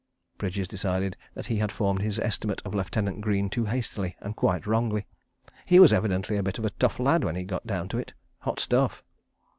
Bridges decided that he had formed his estimate of Lieutenant Greene too hastily and quite wrongly. He was evidently a bit of a tough lad when he got down to it. Hot stuff.